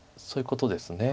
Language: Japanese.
そういうことです。